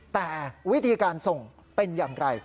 แต่วิธีการส่งเป็นอย่างไร